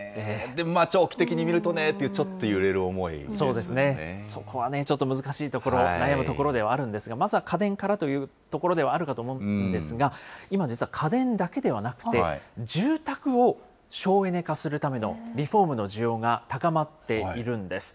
でも長期的に見るとねという、そこはちょっと難しいところ、悩むところではあるんですけれども、まずは家電からというところがあるかと思うんですが、今、実は家電だけではなくて、住宅を省エネ化するためのリフォームの需要が高まっているんです。